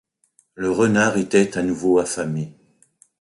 Le renard était à nouveau affamé.